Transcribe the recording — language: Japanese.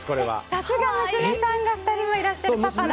さすが、娘さんが２人もいらっしゃるパパだ。